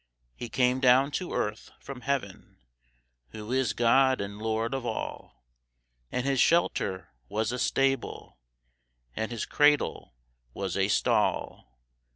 He came down to earth from heaven, Who is God and Lord of all, And His shelter was a stable, And His cradle was a stall.